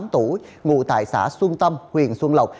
ba mươi tám tuổi ngụ tại xã xuân tâm huyện xuân lộc